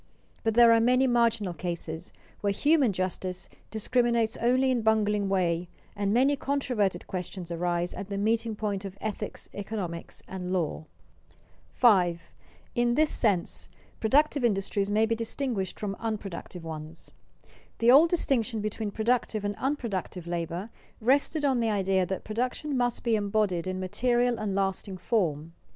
But there are many marginal cases where human justice discriminates only in a bungling way, and many controverted questions arise at the meeting point of ethics, economics, and law. [Sidenote: Industries are socially more or less productive] 5. In this sense, productive industries may be distinguished from unproductive ones. The old distinction between productive and unproductive labor rested on the idea that production must be embodied in material and lasting form.